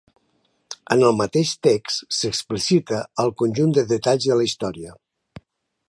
En el mateix text s’explicita el conjunt de detalls de la història.